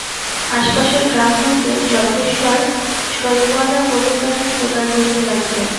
আশপাশের গ্রাম হইতে যজ্ঞেশ্বর ছইওয়ালা গোরুর গাড়ির জোগাড় করিতে লাগিলেন।